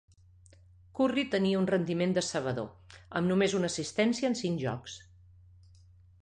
Kurri tenia un rendiment decebedor, amb només una assistència en cinc jocs.